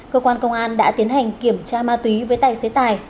cơ quan công an đã tiến hành kiểm tra ma túy với tài xế tài và cho kết quả thương tính